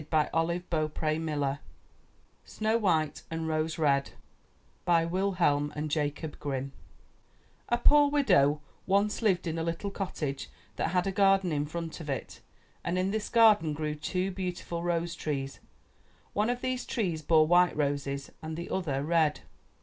34 UP ONE PAIR OF STAIRS SNOW WHITE AND ROSE RED Wilhelm and Jacob Grimm A poor widow once lived in a little cottage that had a garden in front of it, and in this garden grew two beautiful rose trees. One of these trees bore white roses and the other red.